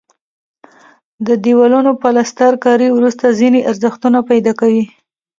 د دیوالونو پلستر کاري وروسته ځینې ارزښتونه پیدا کوي.